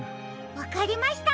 わかりました！